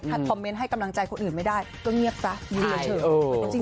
ถ้าคอมเมนต์ให้กำลังใจคนอื่นไม่ได้ก็เงียบซะอยู่เฉย